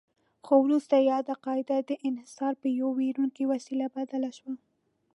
خو وروسته یاده قاعده د انحصار پر یوه ویروونکې وسیله بدله شوه.